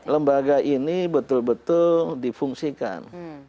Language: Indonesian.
lembaga ini betul betul difungsikan